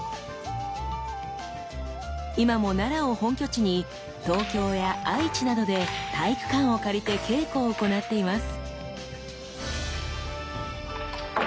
今も奈良を本拠地に東京や愛知などで体育館を借りて稽古を行っています。